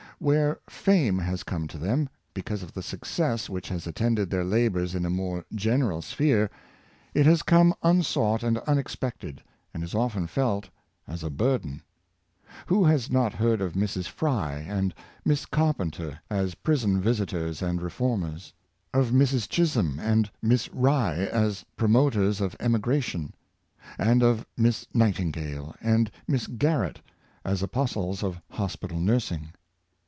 Where fame has come to them, because of the success which has attended their labors in a more general sphere, it has come unsought and unexpected, and is often felt as a burden. Who has not heard of Mrs. Fry and Miss Carpenter as prison visitors and reform ers; of Mrs. Chisholm and Miss Rye as promoters of emigration; and of Miss Nightingale and Miss Garrett as apostles of hospital nursing.